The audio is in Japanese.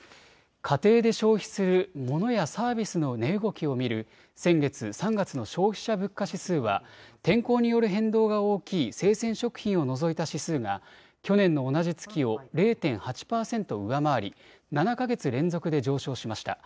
家庭で消費するモノやサービスの値動きを見る先月３月の消費者物価指数は天候による変動が大きい生鮮食品を除いた指数が去年の同じ月を０．８％上回り７か月連続で上昇しました。